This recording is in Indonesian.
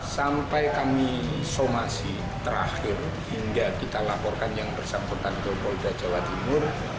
sampai kami somasi terakhir hingga kita laporkan yang bersangkutan ke polda jawa timur